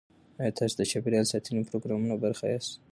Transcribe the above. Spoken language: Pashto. ایا تاسو د چاپیریال ساتنې پروګرامونو برخه یاست؟